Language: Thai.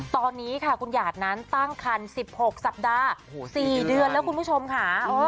ตอนนี้ค่ะคุณหยาดนั้นตั้งคัน๑๖สัปดาห์๔เดือนแล้วคุณผู้ชมค่ะ